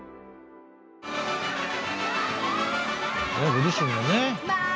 ご自身のね。